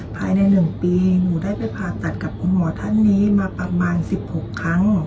ภายใน๑ปีหนูได้ไปผ่าตัดกับคุณหมอท่านนี้มาประมาณ๑๖ครั้ง